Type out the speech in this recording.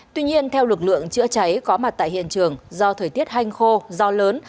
tuy nhiên theo lực lượng chữa cháy có mặt tại hiện trường do thời tiết hanh khô do lớn